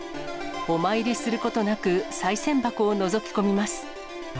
お参りすることなくさい銭箱をのぞき込みます。